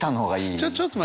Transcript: ちょちょっと待って。